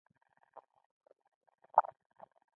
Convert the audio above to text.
یو شمېر هېوادونو برېټانیا ته ورته بنسټونه رامنځته کړل.